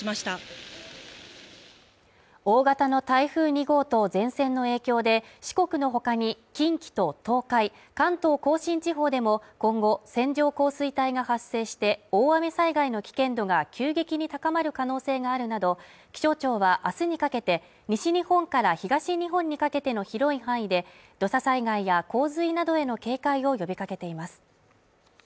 大型の台風２号と前線の影響で、四国の他に、近畿と東海関東甲信地方でも今後、線状降水帯が発生して大雨災害の危険度が急激に高まる可能性があるなど気象庁は明日にかけて西日本から東日本にかけての広い範囲で土砂災害や洪水などへの警戒を呼びかけています。